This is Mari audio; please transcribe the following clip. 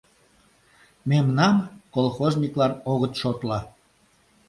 — Мемнам колхозниклан огыт шотло...